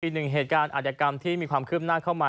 อันยากรรมที่มีความคืบหน้าเข้ามา